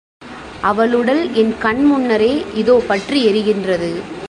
அவளுடல் என் கண் முன்னரே இதோ பற்றி எரிகின்றது.